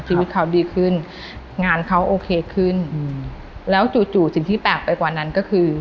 ชีวิตเขาดีขึ้นงานเขาโอเคขึ้นอืมแล้วจู่จู่สิ่งที่แปลกไปกว่านั้นก็คือ